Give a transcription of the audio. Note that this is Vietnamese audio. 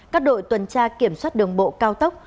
các đội tuần tra kiểm soát đường bộ cao tốc